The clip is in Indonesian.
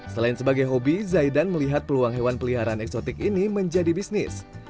selain sebagai hobi zaidan melihat peluang hewan peliharaan eksotik ini menjadi bisnis